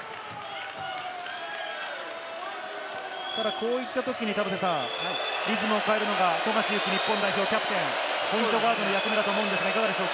こういったときにリズムを変えるのが富樫勇樹、日本代表キャプテン、ポイントガードの役目だと思うんですが、いかがでしょう？